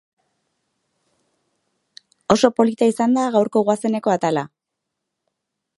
Eskuin muturrak eta ezker muturrak bakarrik bozkatu zuten aurka.